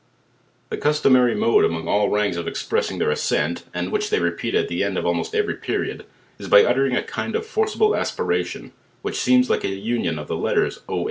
The customory mode among all ranks of expressing their assent, and which they repeat at the e:ul of almost every per iod, is by uttering a kind cf forcible aspiration, which seems like an union of the letters GAB.